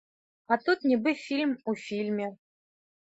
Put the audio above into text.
А тут нібы фільм у фільме.